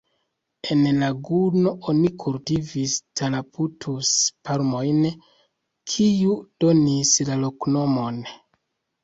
En laguno oni kultivis Taraputus-palmojn, kiu donis la loknomon.